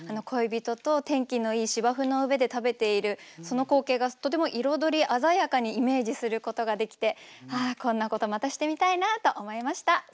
恋人と天気のいい芝生の上で食べているその光景がとても彩り鮮やかにイメージすることができてこんなことまたしてみたいなと思いました。